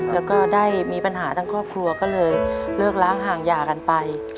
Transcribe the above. แล้วก็ได้มีปัญหาทั้งครอบครัวก็เลยเลิกล้างห่างหย่ากันไป